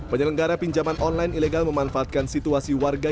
penyelenggara pinjaman online ilegal memanfaatkan situasi warga